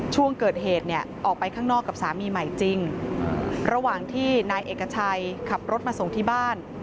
ช่วงเกิดเหตุเนี่ยออกไปข้างนอกกับสามีใหม่จริงระหว่างที่นายเอกชัยขับรถมาส่งที่บ้าน